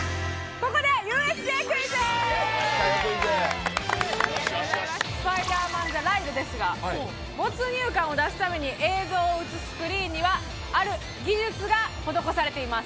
ここでスパイダーマン・ザ・ライドですが没入感を出すために映像を映すスクリーンにはある技術が施されています。